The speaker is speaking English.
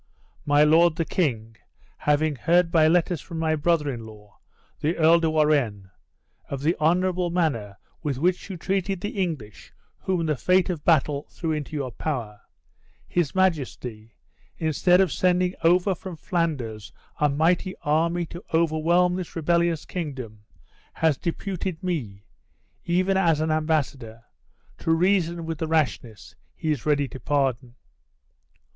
My lord the king having heard by letters from my brother in law, the Earl de Warenne, of the honorable manner with which you treated the English whom the fate of battle threw into your power, his majesty, instead of sending over from Flanders a mighty army to overwhelm this rebellious kingdom, has deputed me, even as an embassador, to reason with the rashness he is ready to pardon.